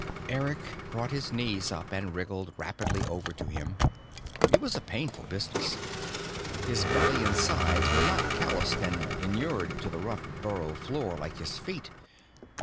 Eric brought his knees up and wriggled rapidly over to him. It was a painful business. His belly and sides were not calloused and inured to the rough burrow floor like his feet.